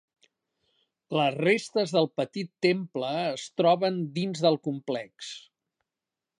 Les restes del petit temple es troben dins del complex.